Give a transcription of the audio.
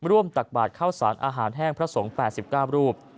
ร่วมตักบาทข้าวสารอาหารแห้งพระสงค์แปดสิบก้ามรูป